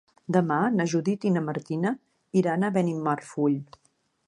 Demà na Judit i na Martina iran a Benimarfull.